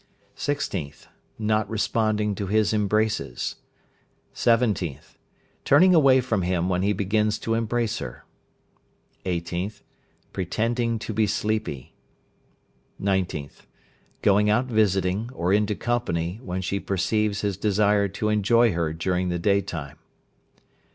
16th. Not responding to his embraces. 17th. Turning away from him when he begins to embrace her. 18th. Pretending to be sleepy. 19th. Going out visiting, or into company, when she perceives his desire to enjoy her during the day time.